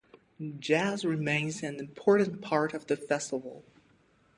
Jazz remains an important part of the festival.